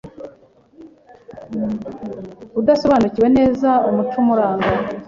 adasobanukiwe neza umuco umuranga